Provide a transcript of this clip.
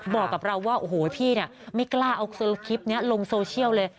บอกกับเราว่าโอ้โหพี่ไม่กล้าเอาคลิปนี้ลงโซเชียลเลย